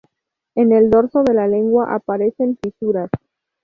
En el dorso de la lengua aparecen fisuras.